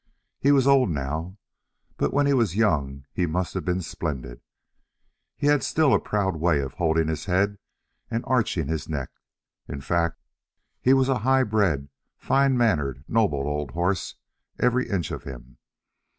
He was old now, but when he was young he must have been splendid; he had still a proud way of holding his head and arching his neck; in fact, he was a high bred, fine mannered, noble old horse, every inch of him.